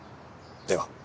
では。